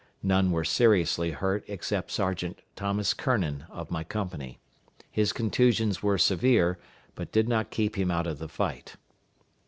None were seriously hurt except Sergeant Thomas Kirnan, of my company. His contusions were severe, but did not keep him out of the fight.